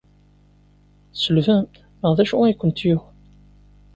Tselbemt neɣ d acu ay kent-yuɣen?